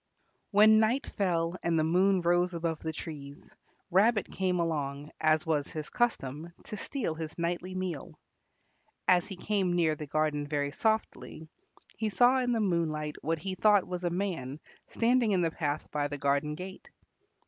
When night fell and the moon rose above the trees, Rabbit came along, as was his custom, to steal his nightly meal. As he came near the garden very softly, he saw in the moonlight what he thought was a man standing in the path by the garden gate.